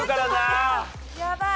やばい。